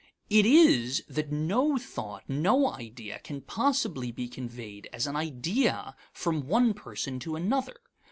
It is that no thought, no idea, can possibly be conveyed as an idea from one person to another.